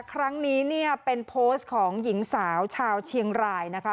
ครั้งนี้เนี่ยเป็นโพสต์ของหญิงสาวชาวเชียงรายนะคะ